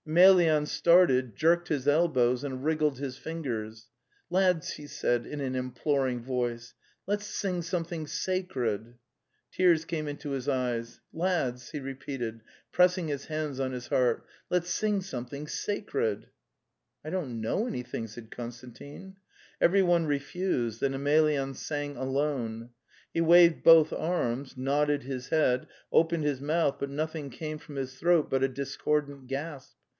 Emelyan started, jerked his elbows and wriggled his fingers. *\ Lads,' he) said\)in}an, imploring: voice) iwicts sing something sacred!' 'Tears came into his eyes. '* Lads," he repeated, pressing his hands on his heart, '' let's sing something sacred! "' '*T don't know anything," said Konstantin. Everyone refused, then Emelyan sang alone. He waved both arms, nodded his head, opened his mouth, but nothing came from his throat but a dis cordant gasp.